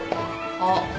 あっ。